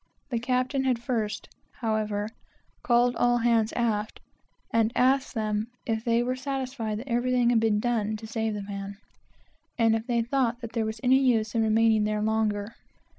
The captain had first, however, called all hands aft and asked them if they were satisfied that everything had been done to save the man, and if they thought there was any use in remaining there longer.